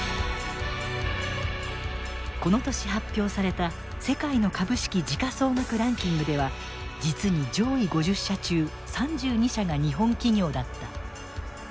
この年発表された世界の株式時価総額ランキングでは実に上位５０社中３２社が日本企業だった。